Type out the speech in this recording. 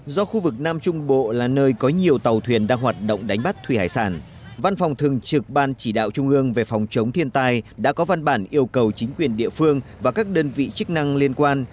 do khu vực nam trung bộ là nơi có nhiều tàu thuyền đang hoạt động đánh bắt thủy hải sản văn phòng thường trực ban chỉ đạo trung ương về phòng chống thiên tai đã có văn bản yêu cầu chính quyền địa phương và các đơn vị chức năng liên quan